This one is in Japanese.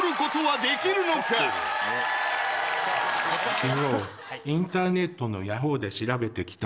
昨日インターネットのヤホーで調べてきたんだけど。